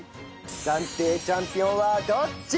暫定チャンピオンはどっち！？